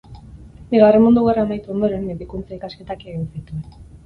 Bigarren Mundu Gerra amaitu ondoren, medikuntza-ikasketak egin zituen.